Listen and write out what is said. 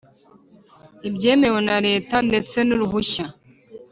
ibyemewe na leta ndetse n’uruhushya.